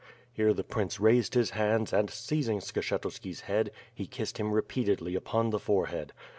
here the prince raised his hands, and seizing Skshetuski's head, he kissed him repeatedly upon the forehead.